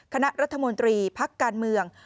คณะรัฐมนตรีพักการเมือง